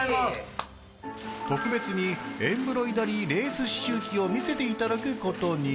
特別にエンブロイダリーレース刺しゅう機を見せてもらうことに。